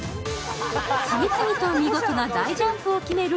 次々と見事な大ジャンプを決める